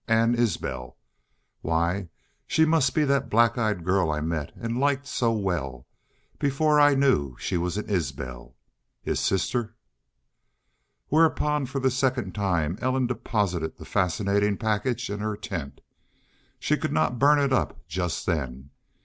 Ann Isbel. Why, she must be that black eyed girl I met and liked so well before I knew she was an Isbel.... His sister!" Whereupon for the second time Ellen deposited the fascinating package in her tent. She could not burn it up just then.